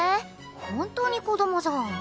本当に子供じゃん。